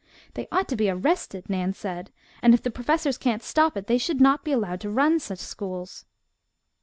"They ought to be arrested," Nan said, "and if the professors can't stop it they should not be allowed to run such schools."